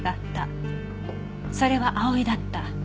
「それは葵だった」